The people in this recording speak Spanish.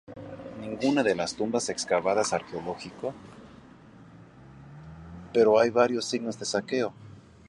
Ninguna de las tumbas excavadas arqueológico, pero hay varios signos de saqueo.